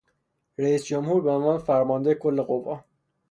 رئیس جمهور به عنوان فرمانده کل قوا